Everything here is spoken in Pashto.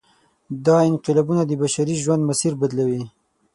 دا انقلابونه د بشري ژوند مسیر بدلوي.